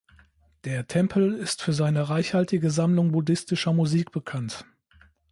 Der Tempel ist für seine reichhaltige Sammlung buddhistischer Musik bekannt.